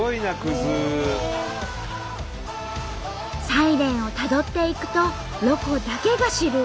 サイレンをたどっていくとロコだけが知る驚きの絶景があった！